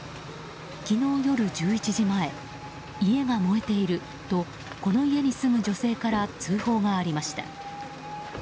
昨日夜１１時前家が燃えているとこの家に住む女性から通報がありました。